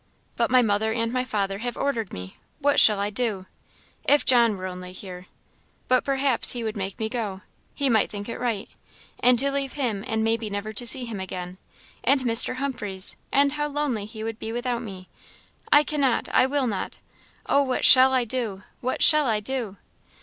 But my mother and my father have ordered me what shall I do! If John were only here but perhaps he would make me go he might think it right. And to leave him, and maybe never to see him again! and Mr. Humphreys! and how lonely he would be without me! I cannot! I will not! Oh, what shall I do! What shall I do!"